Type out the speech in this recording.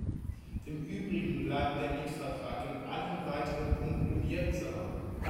Im Übrigen bleibt der Mietvertrag in allen weiteren Punkten wirksam.